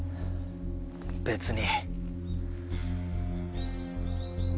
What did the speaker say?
別に。